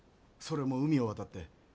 それも海を渡って。